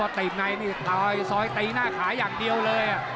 พอว่าธรรมณ์งามนี่ซอยซอยตีหน้าขายางเดียวเลย